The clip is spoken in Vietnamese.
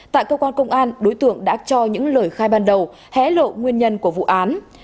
tại cơ quan công an đối tượng đã cho những lời khai ban đầu hé lộ nguyên nhân của vụ án